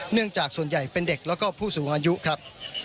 เนื่องจากส่วนใหญ่เป็นเด็กและผู้สูงอายุครับ